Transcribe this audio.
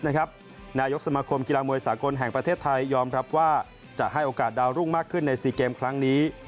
นายกสมาคมกีฬามวยสากลแห่งประเทศไทยยอมรับว่าจะให้โอกาสดาวรุ่งมากขึ้นใน๔เกมครั้งนี้